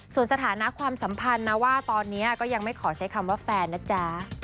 ส่วนสถานะความสัมพันธ์นะว่าตอนนี้ก็ยังไม่ขอใช้คำว่าแฟนนะจ๊ะ